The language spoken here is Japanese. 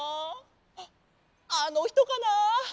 あっあのひとかな？